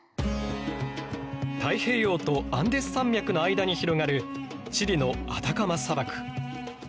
太平洋とアンデス山脈の間に広がるチリのアタカマ砂漠。